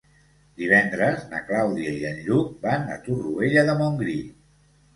Divendres na Clàudia i en Lluc van a Torroella de Montgrí.